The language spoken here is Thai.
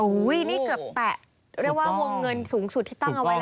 โอ้โหนี่เกือบแตะเรียกว่าวงเงินสูงสุดที่ตั้งเอาไว้แล้ว